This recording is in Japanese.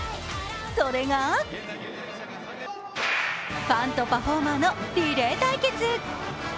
それがファンとパフォーマーのリレー対決。